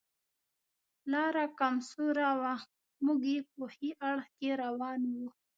لاره کم سوره وه، موږ یې په ښي اړخ کې روان و.